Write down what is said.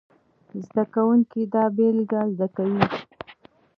زده کوونکي دا بېلګې زده کوي.